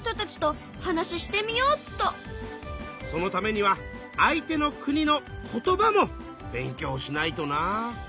そのためには相手の国の言葉も勉強しないとなあ。